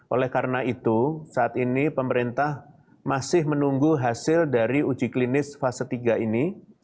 oleh karena itu saat ini pemerintah masih menunggu hasil dari uji klinis fase tiga ini